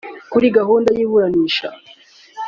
Kuri gahunda y’iburanisha